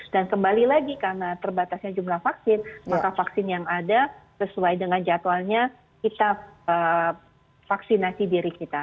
dan kembali lagi karena terbatasnya jumlah vaksin maka vaksin yang ada sesuai dengan jadwalnya kita vaksinasi diri kita